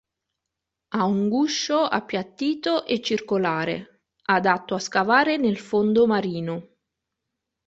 Ha un guscio appiattito e circolare, adatto a scavare nel fondo marino.